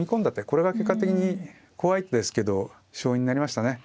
これが結果的に怖い手ですけど勝因になりましたね。